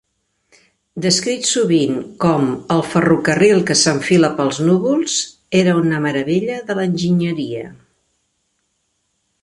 Descrit sovint com "el ferrocarril que s'enfila pels núvols", era una meravella de l'enginyeria.